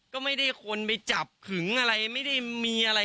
ก็ไม่ได้คนไปจับขึงอะไรไม่ได้มีอะไร